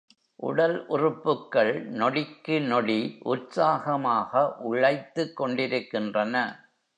உடல் உறுப்புக்கள், நொடிக்குநொடி, உற்சாகமாக உழைத்துக் கொண்டிருக்கின்றன.